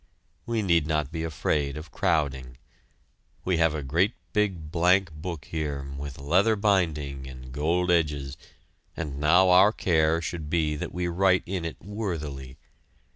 We need not be afraid of crowding. We have a great big blank book here with leather binding and gold edges, and now our care should be that we write in it worthily.